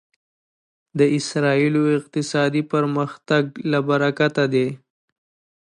د اسرایلو اقتصادي پرمختګ له برکته دی.